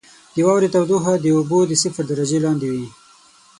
• د واورې تودوخه د اوبو د صفر درجې لاندې وي.